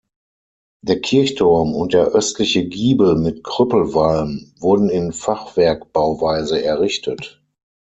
Der Kirchturm und der östliche Giebel mit Krüppelwalm wurden in Fachwerkbauweise errichtet.